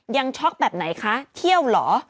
ช็อกแบบไหนคะเที่ยวเหรอ